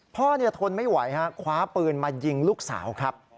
ทนไม่ไหวฮะคว้าปืนมายิงลูกสาวครับ